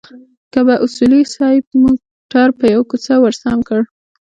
کله به اصولي صیب موټر پر يوه کوڅه ورسم کړ.